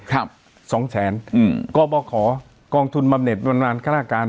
๒แสนก็บอกขอกองทุนบำเน็ตประมาณฆาตการ